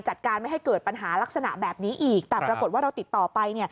จัดการไม่ให้เกิดปัญหาลักษณะแบบนี้อีกแต่ปรากฏว่าเราติดต่อไป